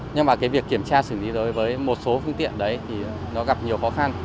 nhưng việc kiểm tra xử lý với một số phương tiện gặp nhiều khó khăn